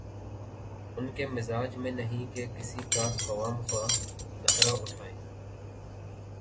ان کے مزاج میں نہیں کہ کسی کا خواہ مخواہ نخرہ اٹھائیں۔